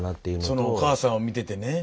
そのお母さんを見ててね。